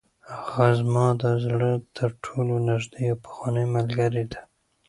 هغه زما د زړه تر ټولو نږدې او پخوانۍ ملګرې ده.